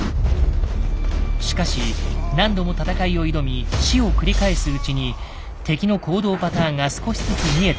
しかし何度も戦いを挑み死を繰り返すうちに敵の行動パターンが少しずつ見えてくる。